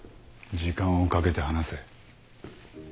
時間をかけて話せ。